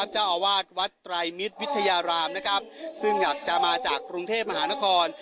เจ้าอาวาสวัดไตรมิตรวิทยารามนะครับซึ่งอยากจะมาจากกรุงเทพมหานคร